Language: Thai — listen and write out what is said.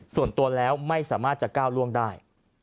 ส่วนตัวแล้วไม่สามารถจะก้าวล่วงได้